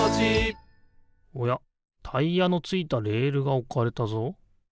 タイヤのついたレールがおかれたぞ。